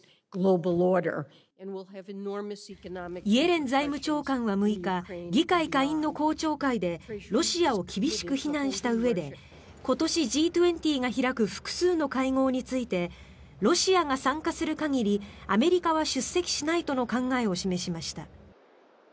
イエレン財務長官は６日議会下院の公聴会でロシアを厳しく非難したうえで今年、Ｇ２０が開く複数の会合についてロシアが参加する限りアメリカは出席しないとの考えを示しました。